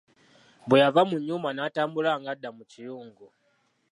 Bwe yava mu nnyumba n'atambula ng'adda mu kiyungu.